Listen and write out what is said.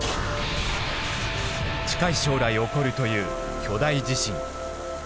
近い将来起こるという巨大地震。